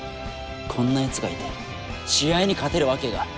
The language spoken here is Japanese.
こんなやつがいて試合に勝てるわけが。